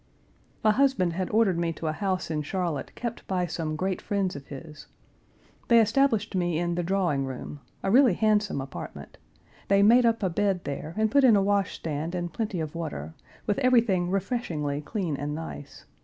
My husband had ordered me to a house in Charlotte kept by some great friends of his. They established me in the drawing room, a really handsome apartment; they made up a bed there and put in a washstand and plenty of water, with everything refreshingly clean and nice.